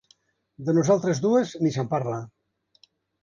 De nosaltres dues ni se'n parla.